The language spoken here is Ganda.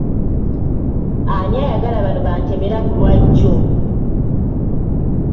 Ani ayagala bano ba ntemera ku lwajjo?